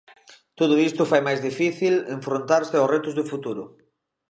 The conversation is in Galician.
Todo isto fai máis difícil enfrontarse aos retos de futuro.